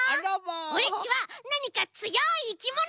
オレっちはなにかつよいいきもの！